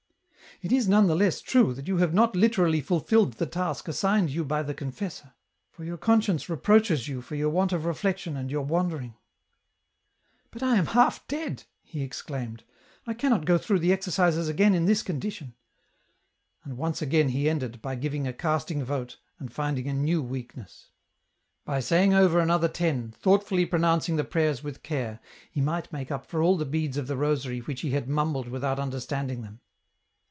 "It is none the less true that you have not literally fulfilled the task assigned you by the confessor, for your conscience reproaches you for your want of reflection and your wandering." " But I am half dead !" he exclaimed. " I cannot go through the exercises again in this condition !"— and once again he ended, by giving a casting vote, and finding a new weakness. By saying over another ten, thoughtfully pronouncing the prayers with care, he might make up for all the beads of the rosary which he had mumbled without understanding them.